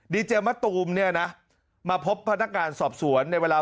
ดีเจมะตูมเนี่ยนะมาพบพนักงานสอบสวนในเวลา